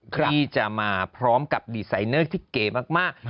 ที่จะมาพร้อมกับดีไซเนอร์ที่เก๋มาก